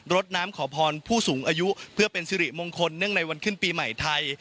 ดน้ำขอพรผู้สูงอายุเพื่อเป็นสิริมงคลเนื่องในวันขึ้นปีใหม่ไทย